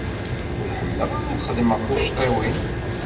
Ur ḥemmleɣ ara ad xedmeɣ tuccḍiwin.